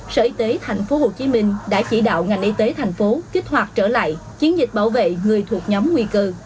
sở y tế tp hcm đã chỉ đạo ngành y tế tp hcm kích hoạt trở lại chiến dịch bảo vệ người thuộc nhóm nguy cư